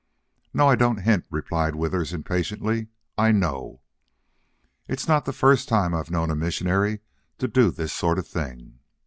"No, I don't hint," replied Withers, impatiently. "I know. It's not the first time I've known a missionary to do this sort of thing.